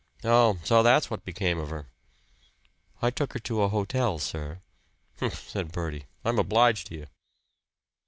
"Oh! So that's what became of her!" "I took her to a hotel, sir." "Humph!" said Bertie. "I'm obliged to you."